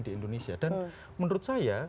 di indonesia dan menurut saya